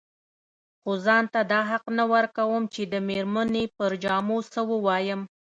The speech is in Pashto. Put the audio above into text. خو ځان ته دا حق نه ورکوم چې د مېرمنې پر جامو څه ووايم.